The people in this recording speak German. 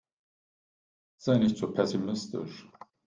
Sei nicht so pessimistisch.